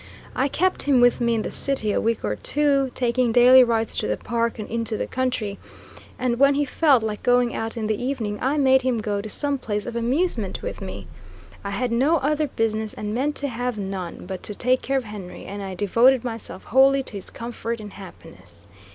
I kept him with me in the city a week or two, taking daily rides to the Park and into the country, and when he felt like going out in the evening I made him go to some place of amusement with me. I had no other business, and meant to have none, but to take care of Henry, and I devoted myself wholly to his comfort and happiness.